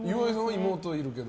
妹いるけど。